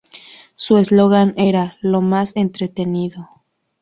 Su eslogan era "¡Lo más entretenido!